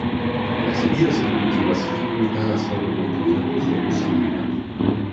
Las vías evolutivas están limitadas por la oportunidad y la posibilidad.